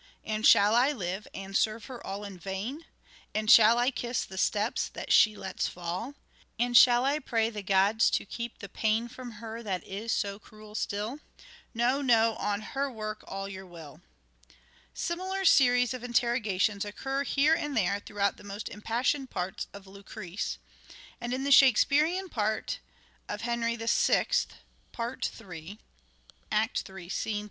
And shall I live and serve her all in vain ? And shall I kiss the steps that she lets fall ? And shall I pray the gods to keep the pain From her that is so cruel still ? No, no, on her work all your will." Similar series of interrogations occur here and there throughout the most impassioned parts of " Lucrece "; LYRIC POETRY OF.EDWARD DE VERE 189 and in the Shakespearean part of " Henry VI," part 3 (III.